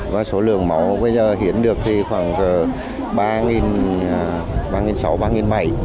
và số lượng máu hiện được khoảng ba sáu trăm linh ba bảy trăm linh